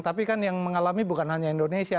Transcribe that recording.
tapi kan yang mengalami bukan hanya indonesia